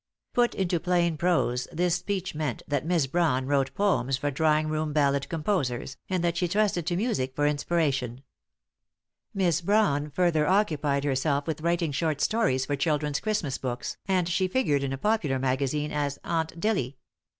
Put into plain prose this speech meant that Miss Brawn wrote poems for drawing room ballad composers, and that she trusted to music for inspiration. Miss Brawn further occupied herself with writing short stories for children's Christmas books, and she figured in a popular magazine as "Aunt Dilly."